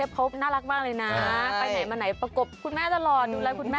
ไปไหนมาไหนประกบคุณแม่ตลอดดูแลคุณแม่